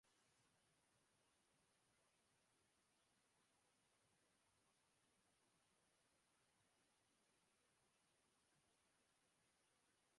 El autor comentó que la actriz Pamela Meneses es la real "María Margarita".